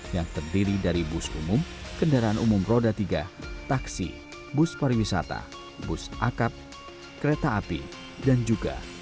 yang terdiri dari bus umum kendaraan umum roda tiga taksi bus pariwisata bus akap kereta api dan juga